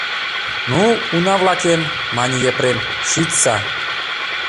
— Ну, уна-влакем, — мане Епрем, — шичса.